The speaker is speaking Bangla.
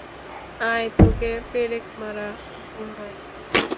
আয়, তোকে পেরেক মারা ভুল নয়।